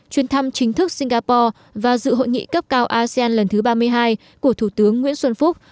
chuyến thăm chính thức singapore và dự hội nghị cấp cao asean lần thứ ba mươi hai của thủ tướng nguyễn xuân phúc